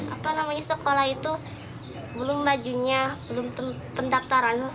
apa namanya sekolah itu belum bajunya belum pendaftaran